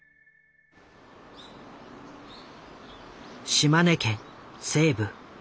島根県西部。